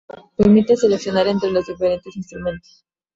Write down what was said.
Permite seleccionar entre los diferentes instrumentos.